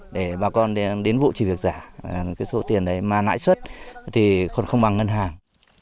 để bà con đến vụ chỉ việc giả cái số tiền đấy mà lãi suất thì còn không bằng ngân hàng